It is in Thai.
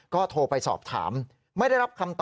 ก็โทรไปสอบถาม